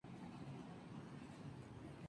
Los árboles que vemos son abedules.